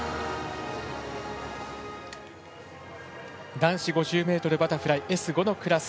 男子５０ｍバタフライＳ５のクラス。